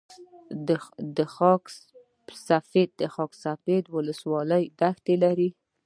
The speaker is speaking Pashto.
د خاک سفید ولسوالۍ دښتې لري